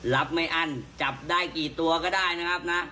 รับไม่อั้นจับได้กี่ตัวก็ได้นะครับนะ